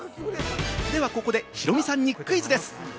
ではここでヒロミさんにクイズです。